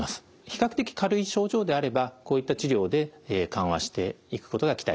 比較的軽い症状であればこういった治療で緩和していくことが期待できます。